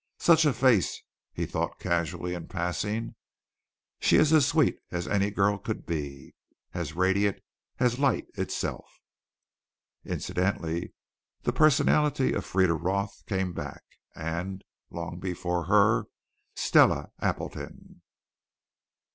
"Such a face!" he thought casually in passing. "She is as sweet as any girl could be. As radiant as light itself." Incidentally the personality of Frieda Roth came back, and long before her Stella Appleton.